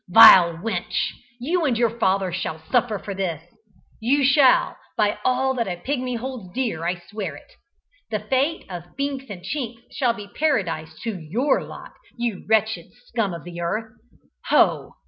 "Vile wench! you and your father shall suffer for this! You shall, by all that a Pigmy holds dear I swear it. The fate of Binks and Chinks shall be paradise to your lot, you wretched scum of the earth. Ho!